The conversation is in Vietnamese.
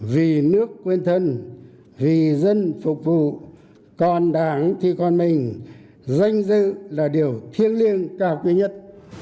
vì nước quên thân vì dân phục vụ còn đảng thì còn mình danh dự là điều thiêng liêng cao quý nhất